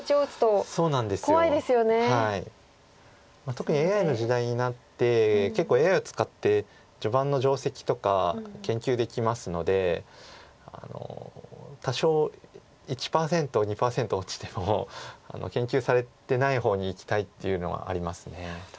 特にＡＩの時代になって結構ＡＩを使って序盤の定石とか研究できますので多少１％２％落ちても研究されてない方にいきたいっていうのはあります。